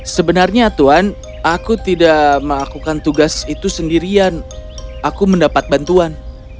sebenarnya tuhan aku tidak melakukan tugas itu sendirian aku mendapat bantuan